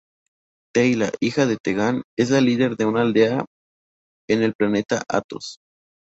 Teyla, hija de Tegan, es la líder de una aldea en el planeta Athos.